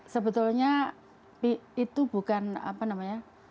sebetulnya itu bukan apa namanya